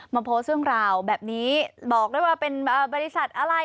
โพสต์เรื่องราวแบบนี้บอกด้วยว่าเป็นบริษัทอะไร